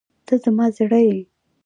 ته زما زړه یې.